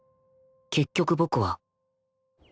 結局僕は